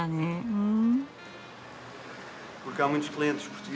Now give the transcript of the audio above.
うん。